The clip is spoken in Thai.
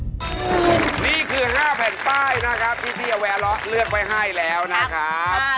ที่พี่อเวรเลือกไว้ให้แล้วนะครับ